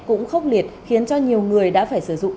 cũng khốc liệt khiến cho nhiều người đã phải sử dụng